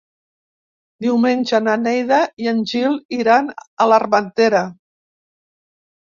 Diumenge na Neida i en Gil iran a l'Armentera.